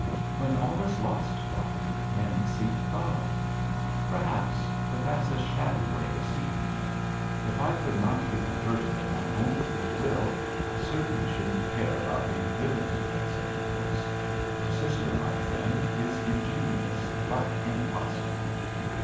'When all is lost, doctor, men seek God.' 'Perhaps; but that's a shabby way of seeking Him. If I could not be converted of my own free will, I certainly shouldn't care about being driven to take such a course. Your system, my friend, is ingenious, but impossible.'